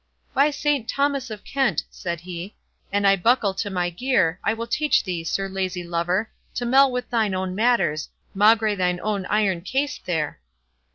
"By Saint Thomas of Kent," said he, "an I buckle to my gear, I will teach thee, sir lazy lover, to mell with thine own matters, maugre thine iron case there!"